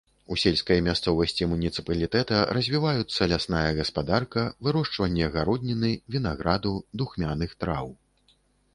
У сельскай мясцовасці муніцыпалітэта развіваюцца лясная гаспадарка, вырошчванне гародніны, вінаграду, духмяных траў.